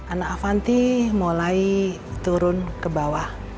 ana avanti mulai turun ke bawah untuk menjual karyanya